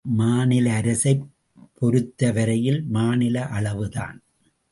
மாநில அரசைப் பொருத்தவரையில் மாநில அளவுதான்.